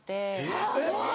えっ。